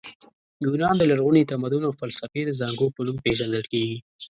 یونان د لرغوني تمدن او فلسفې د زانګو په نوم پېژندل کیږي.